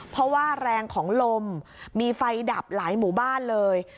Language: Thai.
เพราะว่าแรงของลมมีไฟดับหลายหมู่บ้านเลย